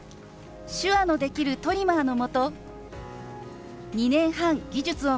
手話のできるトリマーのもと２年半技術を学び